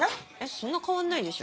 そんな変わんないでしょ。